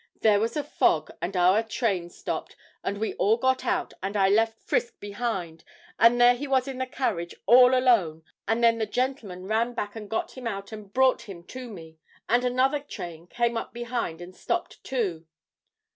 There was a fog and our train stopped, and we all got out, and I left Frisk behind, and there he was in the carriage all alone, and then the gentleman ran back and got him out and brought him to me. And another train came up behind and stopped too.'